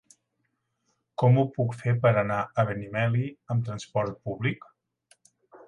Com ho puc fer per anar a Benimeli amb transport públic?